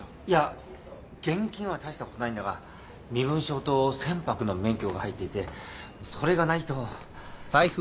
いや現金は大したことないんだが身分証と船舶の免許が入っていてそれがないと